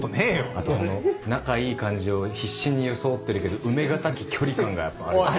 あとあの仲いい感じを必死に装ってるけど埋め難き距離感がやっぱあるよね。